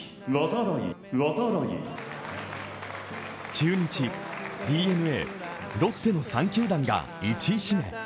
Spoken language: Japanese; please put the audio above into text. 中日、ＤＮＡ、ロッテの３球団が１位指名。